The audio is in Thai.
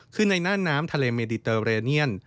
คือในหน้าน้ำทะเลเมดิเตอร์เรเนียน